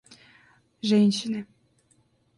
женщины